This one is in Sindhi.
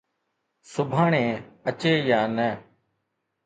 سڀاڻي اچي يا نه